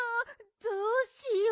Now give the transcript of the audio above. どうしよう。